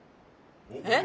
え？